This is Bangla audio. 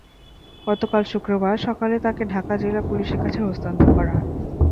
গতকাল শুক্রবার সকালে তাঁকে ঢাকা জেলা পুলিশের কাছে হস্তান্তর করা হয়।